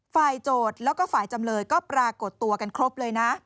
โจทย์แล้วก็ฝ่ายจำเลยก็ปรากฏตัวกันครบเลยนะ